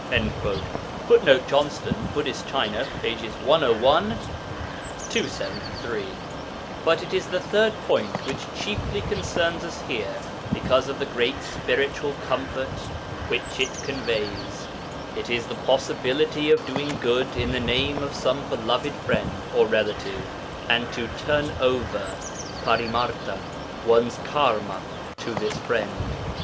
[Footnote: Johnston, Buddhist China, pp. 101, 273.] But it is the third point which chiefly concerns us here because of the great spiritual comfort which it conveys. It is the possibility of doing good in the name of some beloved friend or relative and to 'turn over' (parimarta) one's karma to this friend.